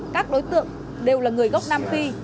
các đối tượng đều là người gốc nam phi